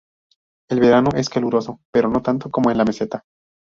El verano es caluroso, pero no tanto como en la meseta.